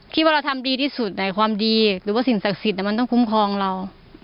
คิดว่าเราทำดีที่สุดไหนความดีหรือว่าสิ่งศักดิ์สิทธิ์มันต้องคุ้มครองเรา